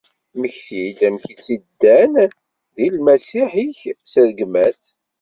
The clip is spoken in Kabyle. Mmekti-d amek i tt-ddan di lmasiḥ-ik s rregmat!